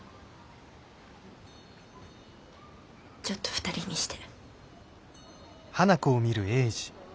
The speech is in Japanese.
ちょっと２人にして。